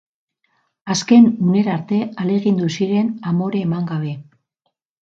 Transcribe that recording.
Azken unera arte ahalegindu ziren, amore eman gabe.